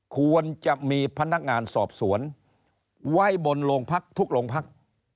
ควรจะมีพนักงานสอบสวนไว้บนโรงพักทุกโรงพัก